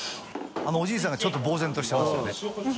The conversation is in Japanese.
あのおじいさんがちょっと呆然としてますよね。